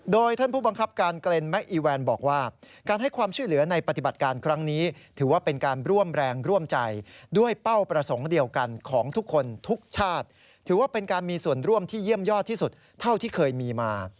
โดยท่านผู้บังคับการเกล็นแมคอีแวนบอกว่า